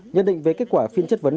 nhận định về kết quả phiên chất vấn